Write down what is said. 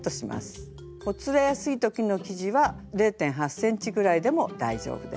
ほつれやすい時の生地は０．８ｃｍぐらいでも大丈夫です。